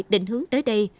định hướng tới đây